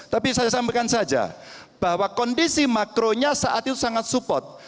tapi saya sampaikan saja bahwa kondisi makronya saat itu sangat support